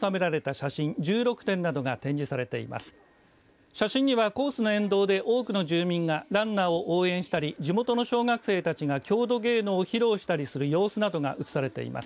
写真にはコースの沿道で多くの住民がランナーを応援したり地元の小学生たちが郷土芸能を披露したりする様子などが写されています。